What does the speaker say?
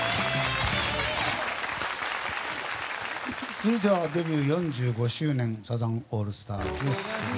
続いては、デビュー４５周年サザンオールスターズです。